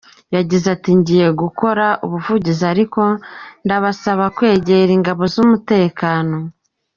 Yagize ati «Ngiye gukora ubuvugizi, ariko ndabasaba kwegera inzego z’umutekano.